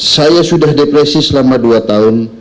saya sudah depresi selama dua tahun